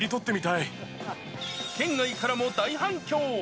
県外からも大反響。